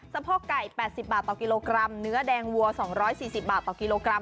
โพกไก่๘๐บาทต่อกิโลกรัมเนื้อแดงวัว๒๔๐บาทต่อกิโลกรัม